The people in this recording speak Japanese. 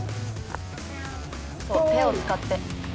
そう手を使って。